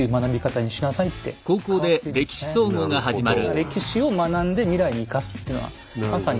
歴史を学んで未来に生かすっていうのはまさに。